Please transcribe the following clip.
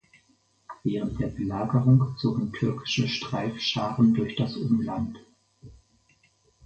Während der Belagerung zogen türkische Streifscharen durch das Umland.